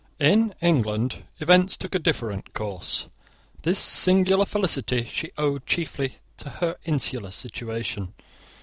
In England events took a different course. This singular felicity she owed chiefly to her insular situation.